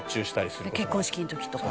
「結婚式の時とか」